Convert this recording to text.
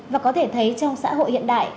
và có thể thấy trong xã hội hiện đại